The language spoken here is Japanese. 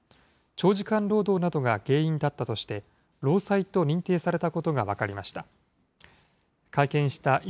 長時間労働などが原因だったとして、労災と認定されたことが分かりました。